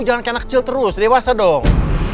jangan kayak anak kecil terus dewasa dong